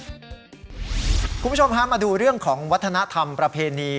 คุณผู้ชมฮะมาดูเรื่องของวัฒนธรรมประเพณี